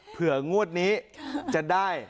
เผื่องวดนี้จะได้